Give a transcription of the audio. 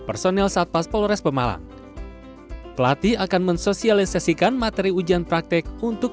personel satpas polres pemalang pelatih akan mensosialisasikan materi ujian praktek untuk